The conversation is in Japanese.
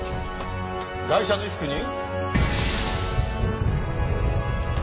ガイシャの衣服に？